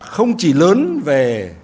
không chỉ lớn về